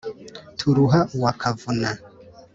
turuha uwa kavuna